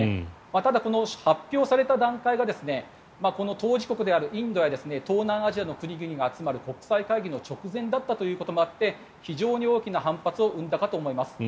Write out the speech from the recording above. ただ、発表された段階がこの当事国であるインドや東南アジアの国々が集まる国際会議の直前だったということもあって非常に大きな反発を生んだかと思います。